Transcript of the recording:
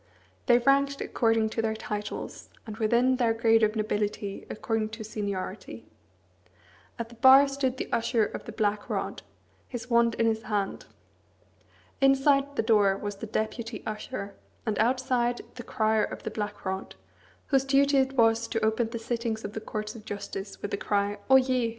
They ranked according to their titles, and within their grade of nobility according to seniority. At the bar stood the Usher of the Black Rod, his wand in his hand. Inside the door was the Deputy Usher; and outside, the Crier of the Black Rod, whose duty it was to open the sittings of the Courts of Justice with the cry, "Oyez!"